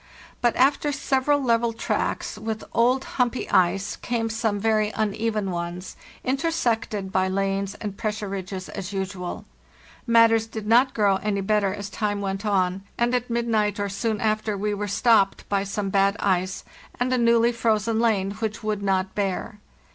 But after several level tracts with old humpy ice came some very uneven ones, intersected by lanes and _pressure ridges as usual. Matters did not grow any better as time went on, and at midnight or soon after we were stopped by some bad ice and a newly frozen lane which would not bear.